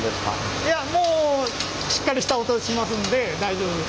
いやもうしっかりした音しますんで大丈夫です。